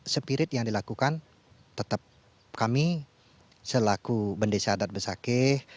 spirit yang dilakukan tetap kami selaku bendesa adat besakeh